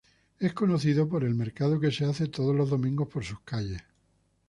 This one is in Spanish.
Es conocido por el mercado que se hace todos los domingos por sus calles.